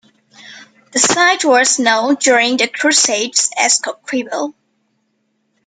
The site was known during the Crusades as Coquebel.